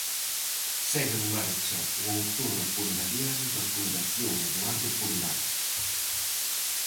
Segue en marcha o outono pondaliano da Fundación Eduardo Pondal.